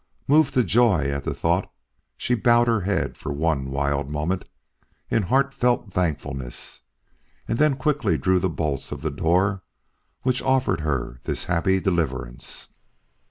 Moved to joy at the thought, she bowed her head for one wild moment in heartfelt thankfulness and then quickly drew the bolts of the door which offered her this happy deliverance.